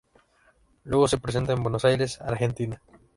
Luego se presenta en Buenos Aires, Argentina.